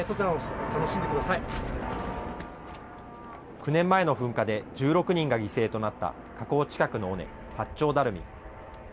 ９年前の噴火で１６人が犠牲となった火口近くの尾根、八丁ダルミ。